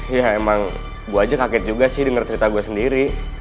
ya emang gue aja kaget juga sih dengar cerita gue sendiri